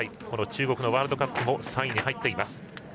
この中国のワールドカップでも３位に入っています。